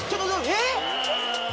えっ！